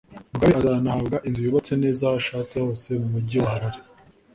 Mugabe azanahabwa inzu yubatse neza aho ashaka hose mu mujyi wa Harare